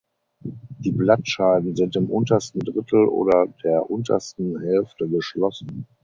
Die Blattscheiden sind im untersten Drittel oder der untersten Hälfte geschlossen.